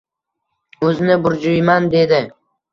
— Uzini burjuyman, dedi.